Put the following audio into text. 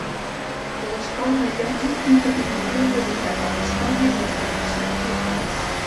L'escola allotja un petit museu dedicat a la història i les tradicions locals.